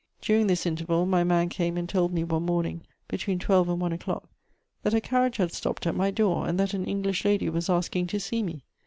During this interval, my man came and told me one morning, between twelve and one o'clock, that a carriage had stopped at my door and that an English lady was asking to see me.